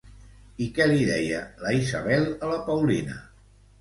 I què li deia, la Isabel a la Paulina?